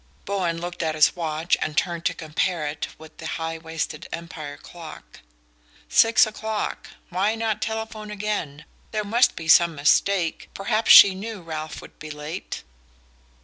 Bowen looked at his watch, and turned to compare it with the high waisted Empire clock. "Six o'clock. Why not telephone again? There must be some mistake. Perhaps she knew Ralph would be late."